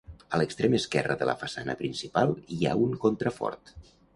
A l'extrem esquerre de la façana principal hi ha un contrafort.